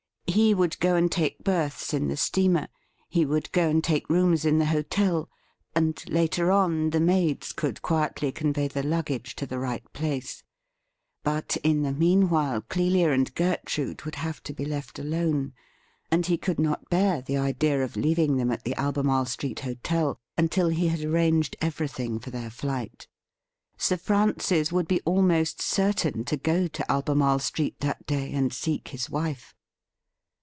He would go and take berths in the steamer — he would go and take rooms in the hotel; and later on the maids could quietly convey the luggage to the right place. But in the meanwhile Clelia and Gertrude would have to be WHAT IS TO BE DONE NEXT? 289 left alone, and he could not bear the idea of leaving them at the Albemarle Street hotel until he had arranged everything for their flight. Sir Francis would be almost certain to go to Albemarle Street that day and seek his wife.